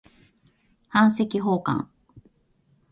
版籍奉還